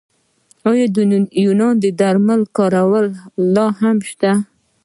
آیا د یوناني درملو کارول لا هم نشته؟